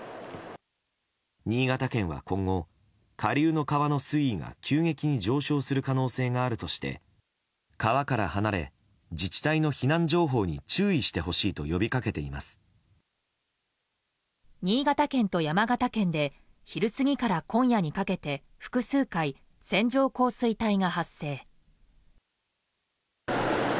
新潟県は今後、下流の川の水位が急激に上昇する可能性があるとして川から離れ自治体の避難情報に注意してほしいと新潟県と山形県で昼過ぎから今夜にかけて複数回、線状降水帯が発生。